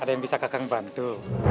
ada yang bisa kakang bantu